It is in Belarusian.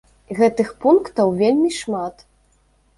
Гэтых пунктаў вельмі шмат.